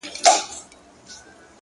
چا ویل دا چي. ژوندون آسان دی.